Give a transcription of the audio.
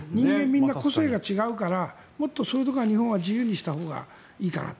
みんな個性が違うからもっとそういうところは日本は自由にしたほうがいいかな。